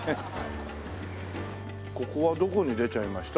ここはどこに出ちゃいました？